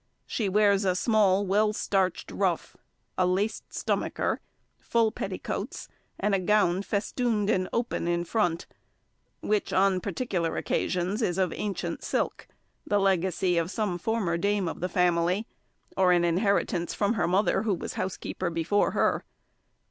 She wears a small, well starched ruff, a laced stomacher, full petticoats, and a gown festooned and open in front, which, on particular occasions, is of ancient silk, the legacy of some former dame of the family, or an inheritance from her mother, who was housekeeper before her.